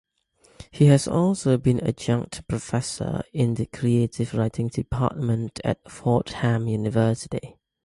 He has also been Adjunct Professor in the Creative Writing Department at Fordham University.